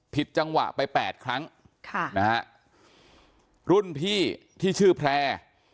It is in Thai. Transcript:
ผิดจังหวะไป๘ครั้งรุ่นพี่ที่ชื่อแพร่